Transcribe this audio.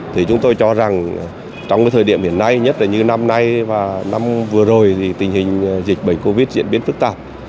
thì chúng tôi cho rằng trong cái thời điểm hiện nay nhất là như năm nay và năm vừa rồi thì tình hình dịch bệnh covid diễn biến phức tạp